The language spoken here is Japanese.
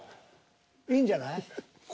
いいんじゃない？